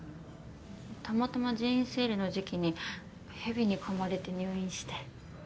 たまたま人員整理の時期にヘビに噛まれて入院して。